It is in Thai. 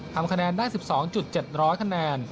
ทำคะแนนได้๑๒๗๐๐คะแนน